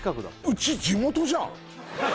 うち地元じゃん！